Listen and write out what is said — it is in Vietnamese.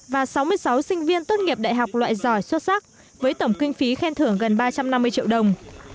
và sáu mươi sáu sinh viên tốt nghiệp đại học loại giỏi xuất sắc với tổng kinh phí khen thưởng gần ba trăm năm mươi triệu đồng